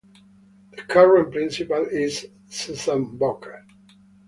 The current principal is Susan Burkett.